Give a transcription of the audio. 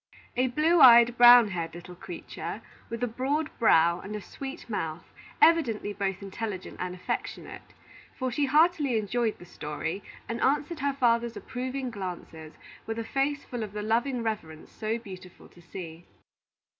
A blue eyed, brown haired little creature, with a broad brow, and a sweet mouth, evidently both intelligent and affectionate; for she heartily enjoyed the story, and answered her father's approving glances with a face full of the loving reverence so beautiful to see.